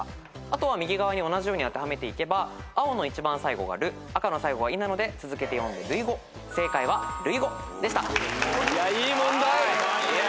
あとは右側に同じように当てはめていけば青の一番最後が「る」赤の最後が「い」なので続けて読んで「るいご」・いい問題！